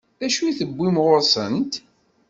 D acu i t-iwwin ɣur-sent?